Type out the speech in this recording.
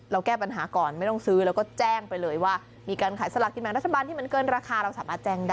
แก้ปัญหาก่อนไม่ต้องซื้อแล้วก็แจ้งไปเลยว่ามีการขายสลากกินแบ่งรัฐบาลที่มันเกินราคาเราสามารถแจ้งได้